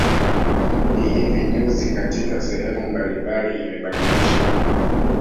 Ni hivi juzi katika sehemu mbalimbali imebadilishwa